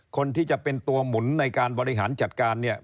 คนที่จะเป็นตัวหมุนในการบริหารจัดการเนี่ย